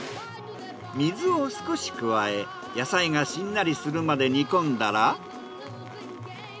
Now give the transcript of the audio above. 水を少し加え野菜がしんなりするまで煮込んだら。